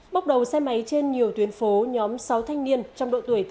bốc đầu xe máy trên nhiều tuyến phố nhóm sáu thanh niên trong độ tuổi